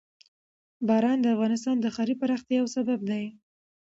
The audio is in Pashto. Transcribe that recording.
باران د افغانستان د ښاري پراختیا یو سبب دی.